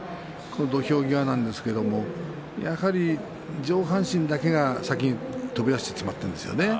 土俵際なんですけれども上半身だけが先に飛び出してしまっているんですよね。